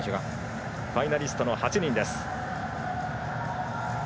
ファイナリストの８人です。